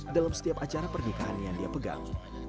dalam setiap acara pernikahan yang dia pegang